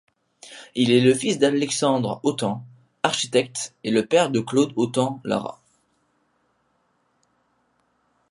Il est le fils d'Alexandre Autant, architecte et le père de Claude Autant-Lara.